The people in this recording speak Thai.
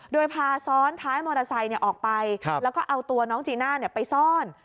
โดยพาซ้อนท้ายมอเตอร์ไซค์ออกไปแล้วก็เอาตัวน้องจีน่าไปซ่อน